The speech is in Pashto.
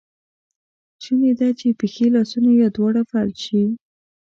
شونی ده چې پښې، لاسونه یا دواړه فلج شي.